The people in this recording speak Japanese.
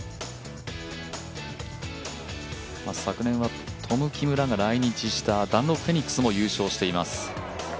昨年はトム・キムらが来日したダンロップフェニックスも優勝しています。